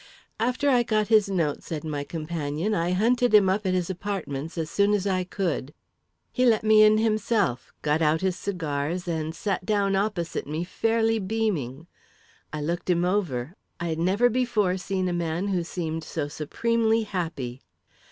"After I got his note," said my companion, "I hunted him up at his apartments as soon as I could. He let me in himself, got out his cigars, and sat down opposite me fairly beaming. I looked him over I had never before seen a man who seemed so supremely happy.